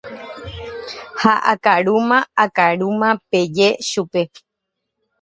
ha akarúma akarúma peje chupe.